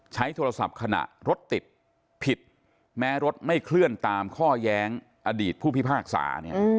ใช้โทรศัพท์ขณะรถติดผิดแม้รถไม่เคลื่อนตามข้อแย้งอดีตผู้พิพากษาเนี่ย